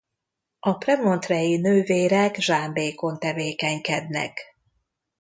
A premontrei nővérek Zsámbékon tevékenykednek.